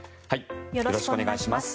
よろしくお願いします。